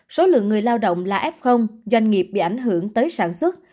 số lượng người lao động là f doanh nghiệp bị ảnh hưởng tới sản xuất